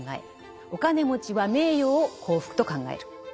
お金持ちは「名誉」を幸福と考える。